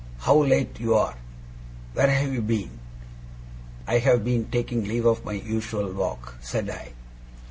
How late you are! Where have you been?' 'I have been taking leave of my usual walk,' said I.